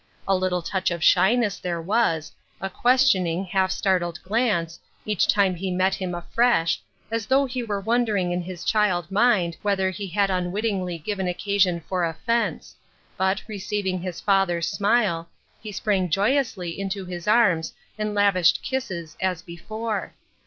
A little touch of shy ness there was, a questioning, half startled glance, each time he met him afresh, as though he were wondering in his child mind whether he had un wittingly given occasion for offense, but, receiving his father's smile, he sprang joyously into his arms and lavished kisses as before.